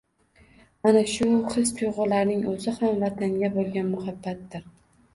Mana shu his tuyg‘ularning o‘zi ham vatanga bo‘lgan muhabbatdir